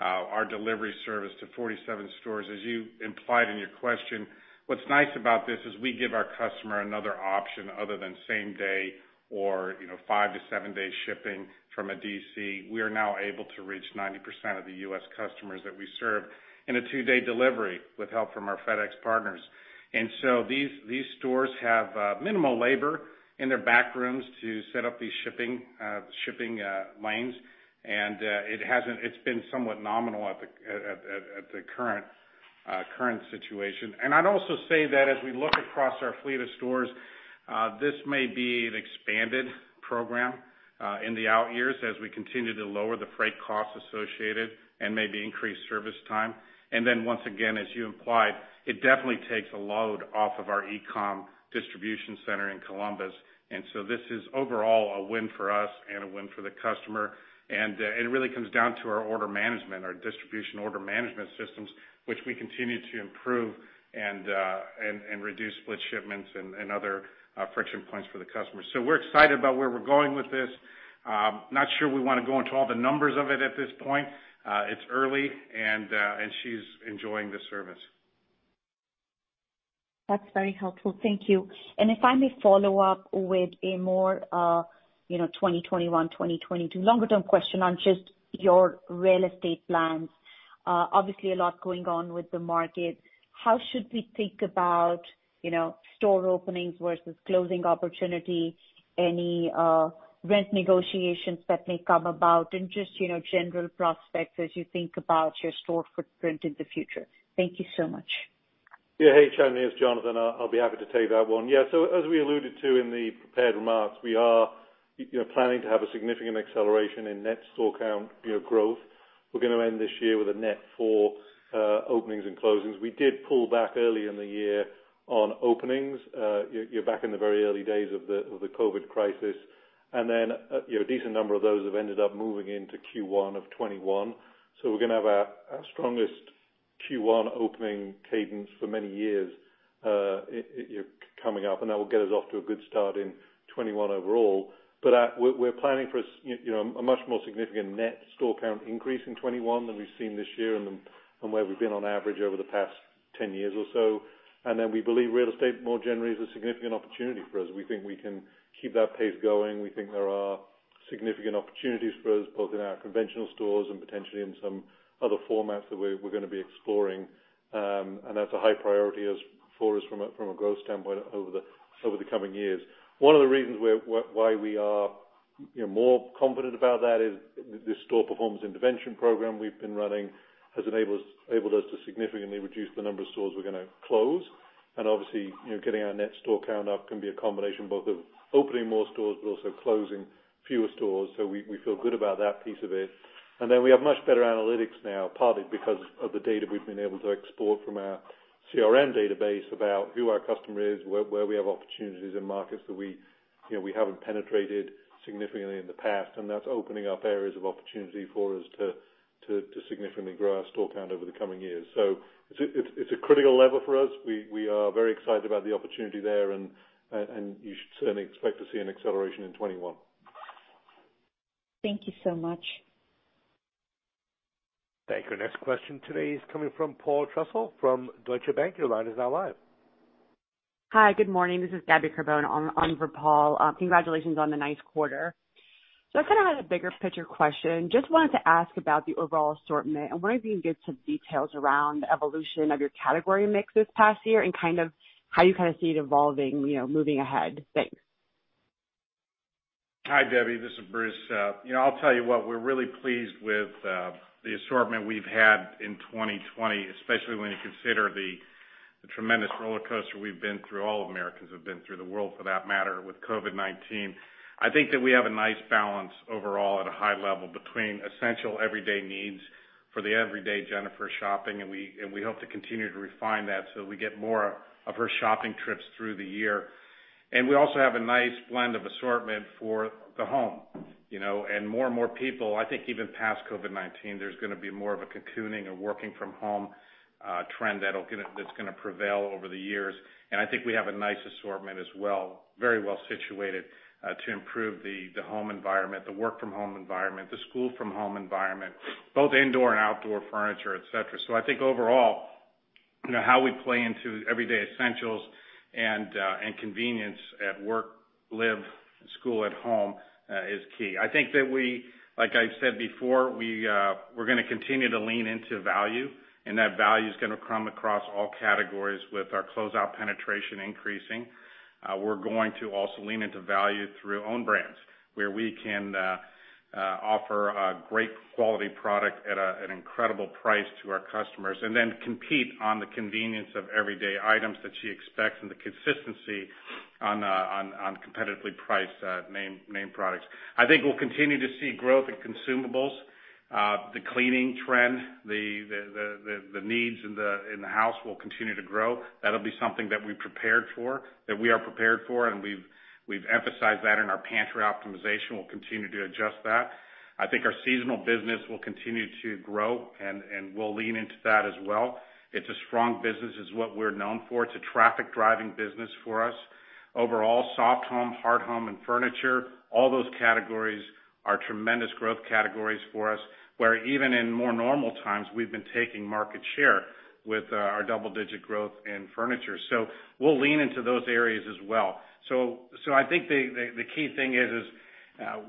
our delivery service to 47 stores, as you implied in your question. What's nice about this is we give our customer another option other than same day or five to seven-day shipping from a DC. We are now able to reach 90% of the U.S. customers that we serve in a two-day delivery with help from our FedEx partners. These stores have minimal labor in their back rooms to set up these shipping lanes. It's been somewhat nominal at the current situation. I'd also say that as we look across our fleet of stores, this may be an expanded program, in the out years as we continue to lower the freight costs associated and maybe increase service time. Once again, as you implied, it definitely takes a load off of our e-com distribution center in Columbus. This is overall a win for us and a win for the customer. It really comes down to our order management, our distribution order management systems, which we continue to improve and reduce split shipments and other friction points for the customer. We're excited about where we're going with this. Not sure we want to go into all the numbers of it at this point. It's early and she's enjoying the service. That's very helpful. Thank you. If I may follow up with a more 2021, 2022 longer-term question on just your real estate plans. Obviously, a lot going on with the market, how should we think about store openings versus closing opportunity? Any rent negotiations that may come about? Just general prospects as you think about your store footprint in the future. Thank you so much. Hey, Chandni, it's Jonathan. I'll be happy to take that one. As we alluded to in the prepared remarks, we are planning to have a significant acceleration in net store count growth. We're going to end this year with a net four openings and closings. We did pull back early in the year on openings, back in the very early days of the COVID crisis. A decent number of those have ended up moving into Q1 of 2021. We're going to have our strongest Q1 opening cadence for many years coming up, and that will get us off to a good start in 2021 overall. We're planning for a much more significant net store count increase in 2021 than we've seen this year and where we've been on average over the past 10 years or so. Then we believe real estate more generally is a significant opportunity for us. We think we can keep that pace going. We think there are significant opportunities for us, both in our conventional stores and potentially in some other formats that we're going to be exploring. That's a high priority for us from a growth standpoint over the coming years. One of the reasons why we are more confident about that is this store performance intervention program we've been running has enabled us to significantly reduce the number of stores we're going to close. Obviously, getting our net store count up can be a combination both of opening more stores but also closing fewer stores. So we feel good about that piece of it. We have much better analytics now, partly because of the data we've been able to export from our CRM database about who our customer is, where we have opportunities in markets that we haven't penetrated significantly in the past. That's opening up areas of opportunity for us to significantly grow our store count over the coming years. It's a critical lever for us. We are very excited about the opportunity there, and you should certainly expect to see an acceleration in 2021. Thank you so much. Thank you. Next question today is coming from Paul Trussell from Deutsche Bank, your line is now live. Hi, good morning? This is Gabby Carbone on for Paul. Congratulations on the nice quarter. I kind of had a bigger picture question. Just wanted to ask about the overall assortment and wonder if you can give some details around the evolution of your category mix this past year and how you kind of see it evolving moving ahead. Thanks. Hi, Gabby, this is Bruce. I'll tell you what, we're really pleased with the assortment we've had in 2020, especially when you consider the tremendous rollercoaster we've been through, all of Americans have been through, the world for that matter, with COVID-19. I think that we have a nice balance overall at a high level between essential everyday needs for the everyday Jennifer shopping, and we hope to continue to refine that so we get more of her shopping trips through the year. We also have a nice blend of assortment for the home. More and more people, I think even past COVID-19, there's going to be more of a cocooning or working from home trend that's going to prevail over the years. I think we have a nice assortment as well, very well situated to improve the home environment, the work from home environment, the school from home environment, both indoor and outdoor furniture, et cetera. I think overall, how we play into everyday essentials and convenience at work, live, school at home is key. I think that we, like I've said before, we're going to continue to lean into value, and that value is going to come across all categories with our closeout penetration increasing. We're going to also lean into value through own brands, where we can offer a great quality product at an incredible price to our customers and then compete on the convenience of everyday items that she expects and the consistency on competitively priced name products. I think we'll continue to see growth in consumables. The cleaning trend, the needs in the house will continue to grow. That'll be something that we prepared for, that we are prepared for, and we've emphasized that in our pantry optimization. We'll continue to adjust that. I think our seasonal business will continue to grow, and we'll lean into that as well. It's a strong business. It's what we're known for. It's a traffic driving business for us. Overall, soft home, hard home, and furniture, all those categories are tremendous growth categories for us, where even in more normal times, we've been taking market share with our double-digit growth in furniture. We'll lean into those areas as well. I think the key thing is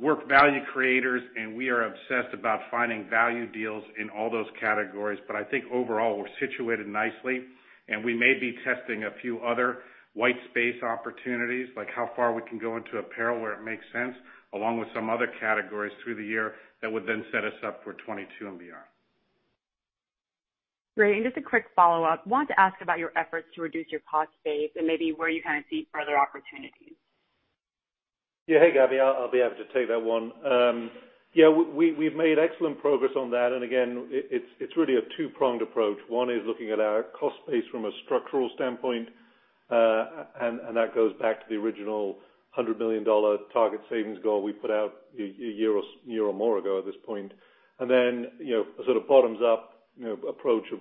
we're value creators, and we are obsessed about finding value deals in all those categories. I think overall, we're situated nicely, and we may be testing a few other white space opportunities, like how far we can go into apparel where it makes sense, along with some other categories through the year that would then set us up for 2022 and beyond. Great. Just a quick follow-up. I wanted to ask about your efforts to reduce your cost base and maybe where you kind of see further opportunities. Hey, Gabby, I'll be happy to take that one. We've made excellent progress on that. Again, it's really a two-pronged approach. One is looking at our cost base from a structural standpoint. That goes back to the original $100 million target savings goal we put out a year or more ago at this point. Then a sort of bottoms up approach of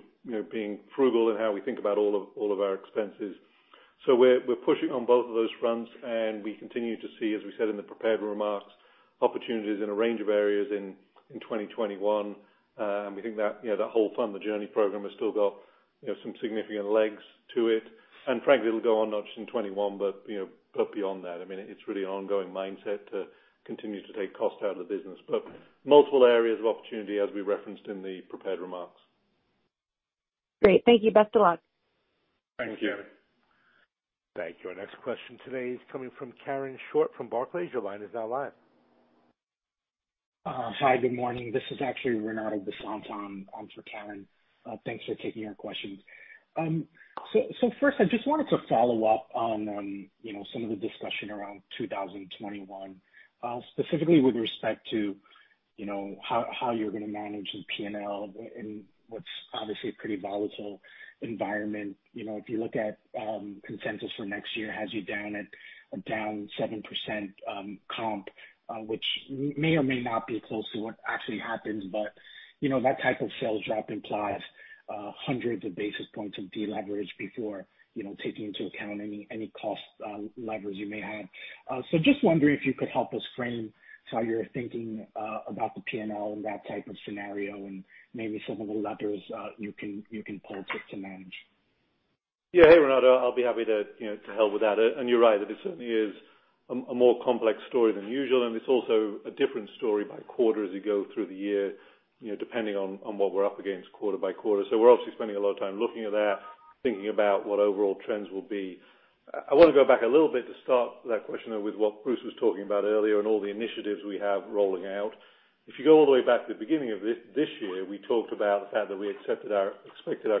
being frugal in how we think about all of our expenses. We're pushing on both of those fronts. We continue to see, as we said in the prepared remarks, opportunities in a range of areas in 2021. We think that whole Fund the Journey program has still got some significant legs to it. Frankly, it'll go on not just in 2021, but beyond that. I mean, it's really an ongoing mindset to continue to take cost out of the business. Multiple areas of opportunity as we referenced in the prepared remarks. Great. Thank you. Best of luck. Thank you. Thank you. Our next question today is coming from Karen Short from Barclays, your line is now live. Hi, good morning? This is actually Renato Basanta on for Karen. Thanks for taking our questions. First, I just wanted to follow up on some of the discussion around 2021, specifically with respect to how you're going to manage the P&L in what's obviously a pretty volatile environment. If you look at consensus for next year has you down 7% comp, which may or may not be close to what actually happens, but that type of sales drop implies hundreds of basis points of deleverage before taking into account any cost levers you may have. Just wondering if you could help us frame how you're thinking about the P&L in that type of scenario and maybe some of the levers you can pull to manage. Yeah. Hey, Renato, I'll be happy to help with that. You're right, that this certainly is a more complex story than usual, and it's also a different story by quarter as you go through the year, depending on what we're up against quarter by quarter. We're obviously spending a lot of time looking at that, thinking about what overall trends will be. I want to go back a little bit to start that question with what Bruce was talking about earlier and all the initiatives we have rolling out. If you go all the way back to the beginning of this year, we talked about the fact that we expected our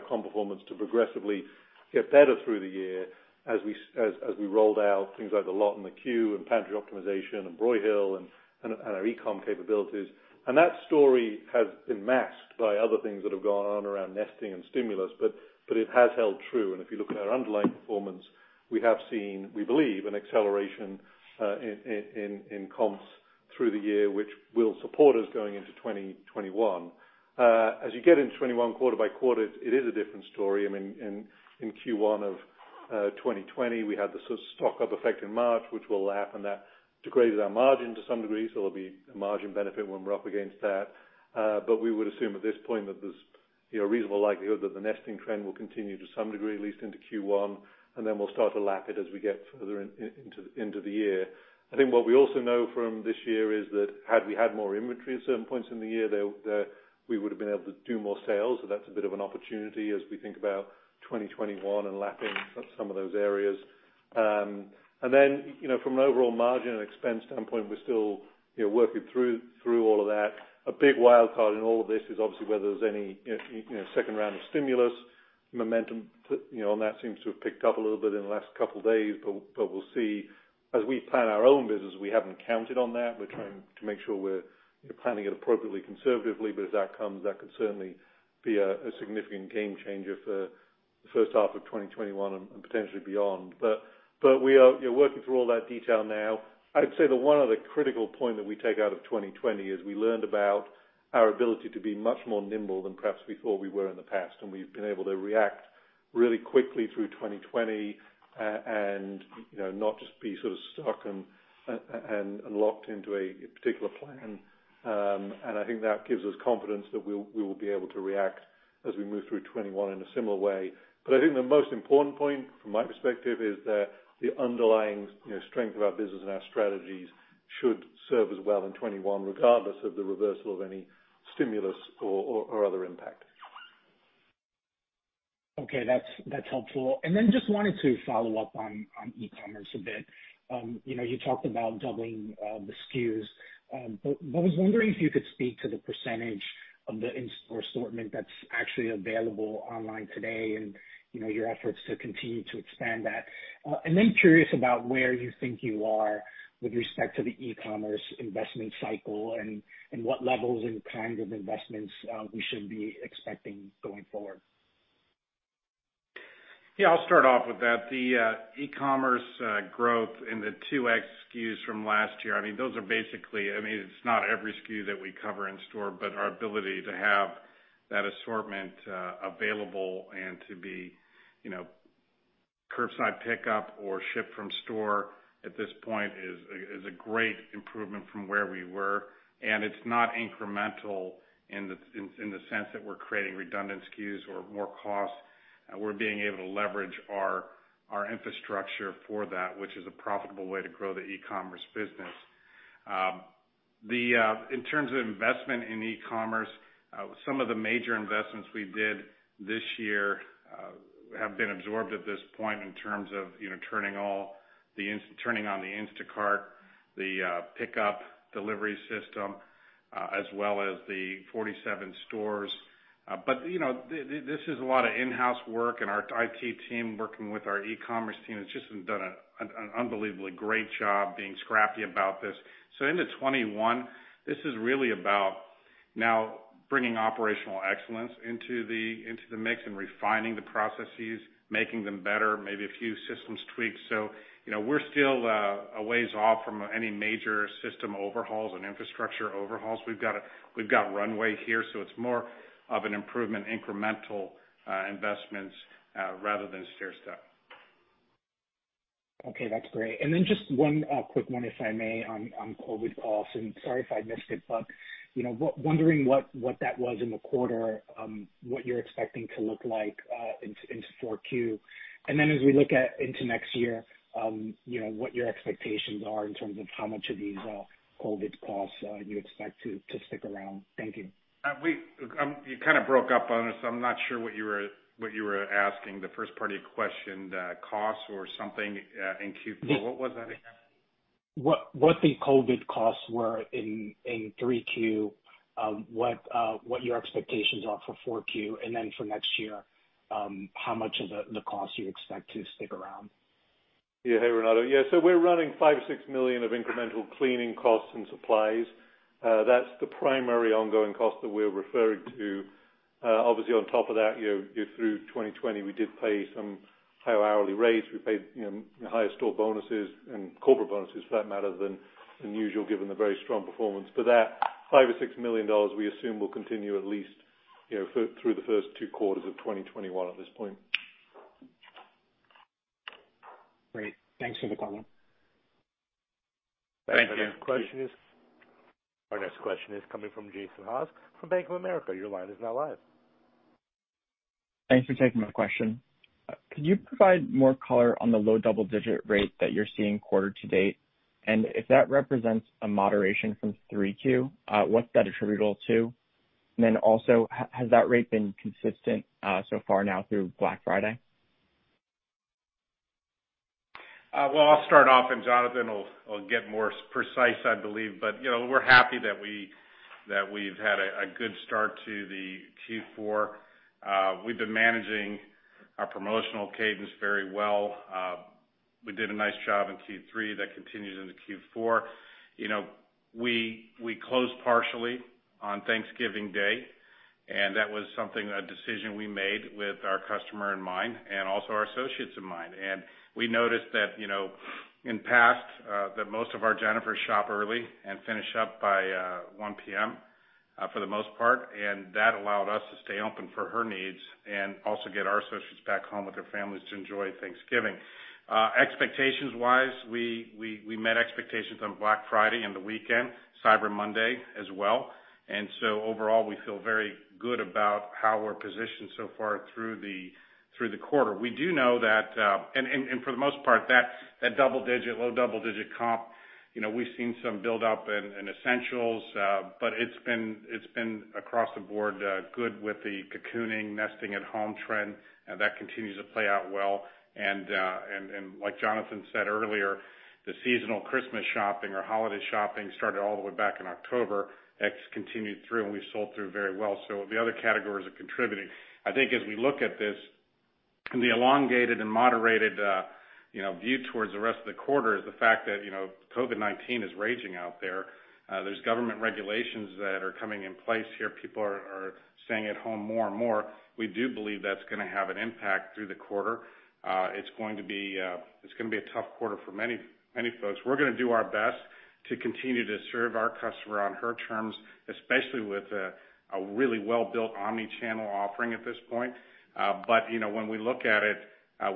comp performance to progressively get better through the year as we rolled out things like The Lot and Queue Line and pantry optimization and Broyhill and our e-com capabilities. That story has been masked by other things that have gone on around nesting and stimulus. It has held true, and if you look at our underlying performance, we have seen, we believe, an acceleration in comps through the year, which will support us going into 2021. As you get into 2021 quarter by quarter, it is a different story. I mean, in Q1 of 2020, we had the sort of stock-up effect in March, which will lap, and that degraded our margin to some degree. There'll be a margin benefit when we're up against that. We would assume at this point that there's a reasonable likelihood that the nesting trend will continue to some degree, at least into Q1, and then we'll start to lap it as we get further into the year. I think what we also know from this year is that had we had more inventory at certain points in the year, we would've been able to do more sales. That's a bit of an opportunity as we think about 2021 and lapping some of those areas. From an overall margin and expense standpoint, we're still working through all of that. A big wildcard in all of this is obviously whether there's any second round of stimulus momentum. That seems to have picked up a little bit in the last couple of days, but we'll see. As we plan our own business, we haven't counted on that. We're trying to make sure we're planning it appropriately conservatively, but as that comes, that could certainly be a significant game changer for the first half of 2021 and potentially beyond. We are working through all that detail now. I'd say that one other critical point that we take out of 2020 is we learned about our ability to be much more nimble than perhaps before we were in the past. We've been able to react really quickly through 2020, and not just be sort of stuck and locked into a particular plan. I think that gives us confidence that we will be able to react as we move through 2021 in a similar way. I think the most important point from my perspective is that the underlying strength of our business and our strategies should serve us well in 2021, regardless of the reversal of any stimulus or other impact. Okay, that's helpful. Just wanted to follow up on e-commerce a bit. You talked about doubling the SKUs, but I was wondering if you could speak to the percentage of the in-store assortment that's actually available online today and your efforts to continue to expand that. Curious about where you think you are with respect to the e-commerce investment cycle and what levels and kinds of investments we should be expecting going forward. Yeah, I'll start off with that. The e-commerce growth and the 2x SKUs from last year, I mean, it's not every SKU that we cover in store, but our ability to have that assortment available and to be curbside pickup or ship from store at this point is a great improvement from where we were. It's not incremental in the sense that we're creating redundant SKUs or more costs. We're being able to leverage our infrastructure for that, which is a profitable way to grow the e-commerce business. In terms of investment in e-commerce, some of the major investments we did this year have been absorbed at this point in terms of turning on the Instacart, the PICKUP delivery system, as well as the 47 stores. This is a lot of in-house work and our IT team working with our e-commerce team has just done an unbelievably great job being scrappy about this. Into 2021, this is really about now bringing operational excellence into the mix and refining the processes, making them better, maybe a few systems tweaks. We're still a ways off from any major system overhauls and infrastructure overhauls. We've got runway here, so it's more of an improvement, incremental investments, rather than stairstep. Okay, that's great. Just one quick one, if I may, on COVID costs. Sorry if I missed it, wondering what that was in the quarter, what you're expecting to look like into 4Q. As we look at into next year, what your expectations are in terms of how much of these COVID costs you expect to stick around. Thank you. You kind of broke up on us. I'm not sure what you were asking. The first part of your question, the costs or something in Q4. What was that again? What the COVID costs were in 3Q, what your expectations are for 4Q, and then for next year, how much of the cost you expect to stick around? Hey, Renato. We're running $5 million-$6 million of incremental cleaning costs and supplies. That's the primary ongoing cost that we're referring to. Obviously, on top of that, through 2020, we did pay some higher hourly rates. We paid higher store bonuses and corporate bonuses, for that matter, than usual, given the very strong performance. That $5 million-$6 million, we assume, will continue at least through the first two quarters of 2021 at this point. Great. Thanks for the call. Thank you. Our next question is coming from Jason Haas from Bank of America, your line is now live. Thanks for taking my question. Could you provide more color on the low double-digit rate that you're seeing quarter to date? If that represents a moderation from 3Q, what's that attributable to? Also, has that rate been consistent so far now through Black Friday? Well, I'll start off, and Jonathan will get more precise, I believe. We're happy that we've had a good start to the Q4. We've been managing our promotional cadence very well. We did a nice job in Q3. That continued into Q4. We closed partially on Thanksgiving Day, and that was something, a decision we made with our customer in mind and also our associates in mind. We noticed that in past, that most of our Jennifers shop early and finish up by 1:00 PM, for the most part, and that allowed us to stay open for her needs and also get our associates back home with their families to enjoy Thanksgiving. Expectations wise, we met expectations on Black Friday and the weekend, Cyber Monday as well. Overall, we feel very good about how we're positioned so far through the quarter. We do know that for the most part, that low double-digit comp, we've seen some build up in essentials, but it's been across the board good with the cocooning, nesting at home trend, that continues to play out well. Like Jonathan said earlier, the seasonal Christmas shopping or holiday shopping started all the way back in October. That's continued through, we sold through very well. The other categories are contributing. I think as we look at this, the elongated and moderated view towards the rest of the quarter is the fact that COVID-19 is raging out there. There's government regulations that are coming in place here. People are staying at home more and more. We do believe that's going to have an impact through the quarter. It's going to be a tough quarter for many folks. We're going to do our best to continue to serve our customer on her terms, especially with a really well-built omni-channel offering at this point. When we look at it,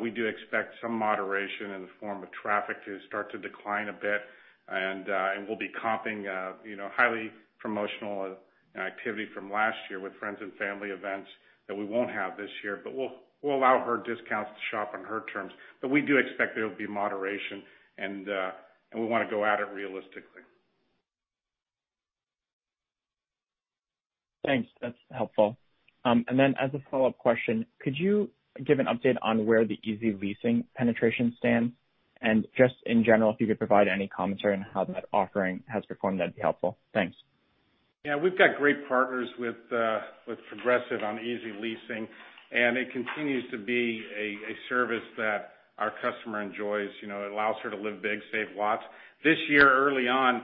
we do expect some moderation in the form of traffic to start to decline a bit, and we'll be comping highly promotional activity from last year with friends and family events that we won't have this year. We'll allow her discounts to shop on her terms. We do expect there will be moderation, and we want to go at it realistically. Thanks. That's helpful. As a follow-up question, could you give an update on where the Easy Leasing penetration stands? Just in general, if you could provide any commentary on how that offering has performed, that'd be helpful. Thanks. Yeah. We've got great partners with Progressive on Easy Leasing, and it continues to be a service that our customer enjoys. It allows her to live big, save lots. This year, early on,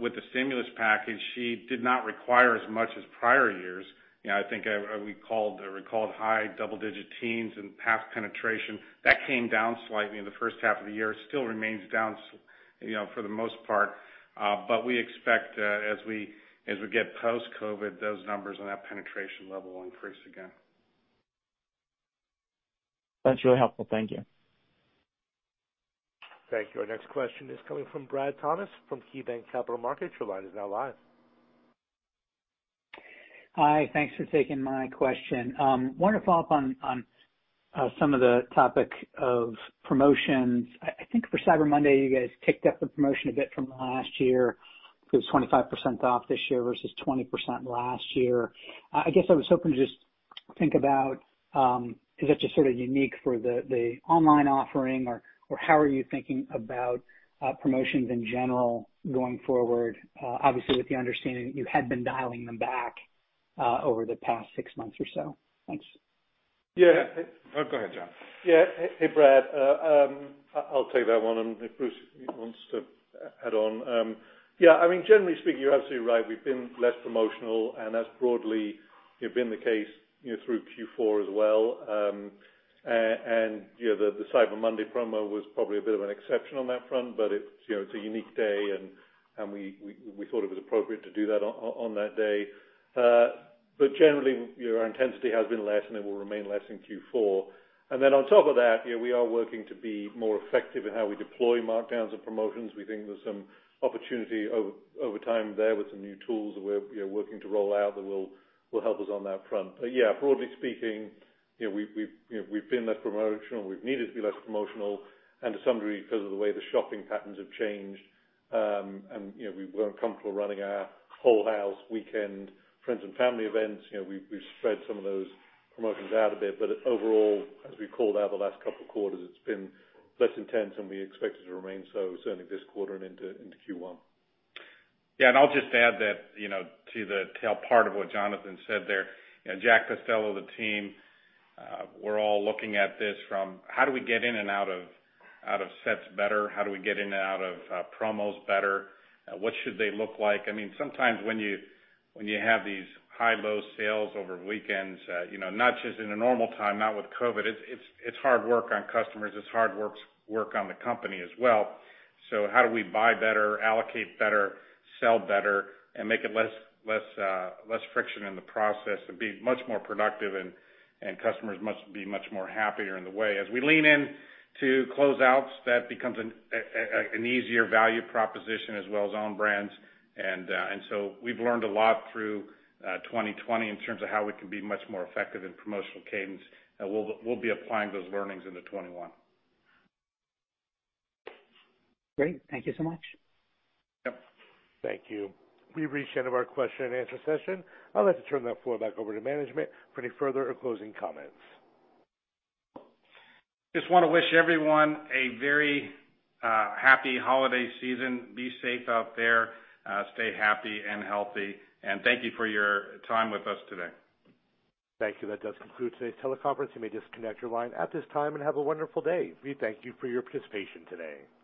with the stimulus package, she did not require as much as prior years. I think I recalled high double-digit teens in past penetration. That came down slightly in the first half of the year. Still remains down for the most part. But we expect as we get post-COVID, those numbers and that penetration level will increase again. That's really helpful. Thank you. Thank you. Our next question is coming from Brad Thomas from KeyBanc Capital Markets, your line is now live. Hi. Thanks for taking my question. Wanted to follow up on some of the topic of promotions. I think for Cyber Monday, you guys ticked up the promotion a bit from last year. It was 25% off this year versus 20% last year. I guess I was hoping to just think about, is that just sort of unique for the online offering, or how are you thinking about promotions in general going forward? Obviously, with the understanding that you had been dialing them back over the past six months or so. Thanks. Yeah. Oh, go ahead, Jon. Yeah. Hey, Brad. I'll take that one, and if Bruce wants to add on. Yeah, I mean, generally speaking, you're absolutely right. We've been less promotional, and that's broadly been the case through Q4 as well. The Cyber Monday promo was probably a bit of an exception on that front, but it's a unique day, and we thought it was appropriate to do that on that day. Generally, our intensity has been less, and it will remain less in Q4. Then on top of that, we are working to be more effective in how we deploy markdowns and promotions. We think there's some opportunity over time there with some new tools that we're working to roll out that will help us on that front. Yeah, broadly speaking, we've been less promotional. We've needed to be less promotional, to some degree, because of the way the shopping patterns have changed, and we weren't comfortable running our whole house weekend friends and family events. We've spread some of those promotions out a bit. Overall, as we called out the last couple quarters, it's been less intense, and we expect it to remain so certainly this quarter and into Q1. I'll just add that to the tail part of what Jonathan said there. Jack Pestello, the team, we're all looking at this from how do we get in and out of sets better? How do we get in and out of promos better? What should they look like? I mean, sometimes when you have these high-low sales over weekends, not just in a normal time, not with COVID, it's hard work on customers. It's hard work on the company as well. How do we buy better, allocate better, sell better, and make it less friction in the process and be much more productive and customers be much more happier in the way. As we lean in to close outs, that becomes an easier value proposition as well as own brands. We've learned a lot through 2020 in terms of how we can be much more effective in promotional cadence, and we'll be applying those learnings into 2021. Great. Thank you so much. Yep. Thank you. We've reached the end of our question and answer session. I'd like to turn the floor back over to management for any further or closing comments. Just want to wish everyone a very happy holiday season. Be safe out there. Stay happy and healthy. Thank you for your time with us today. Thank you. That does conclude today's teleconference, you may disconnect your line at this time, and have a wonderful day. We thank you for your participation today.